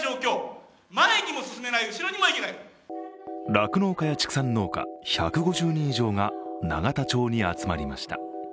酪農家や畜産農家１５０人以上が永田町に集まりました。